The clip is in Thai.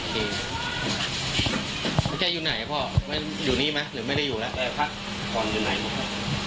เป็นอีกอยู่ไหนค่ะพ่ออยู่นี่เหรอหรือไม่ได้อยู่แล้ว